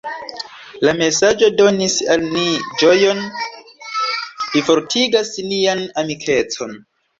La mesaĝo donis al ni ĝojon, plifortigas nian amikecon.